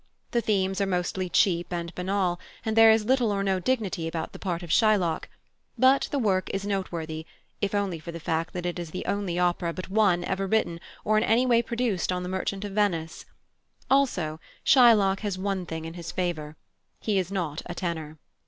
The themes are mostly cheap and banal, and there is little or no dignity about the part of Shylock; but the work is noteworthy if only for the fact that it is the only opera but one ever written or in any way produced on The Merchant of Venice. Also Shylock has one thing in his favour he is not a tenor.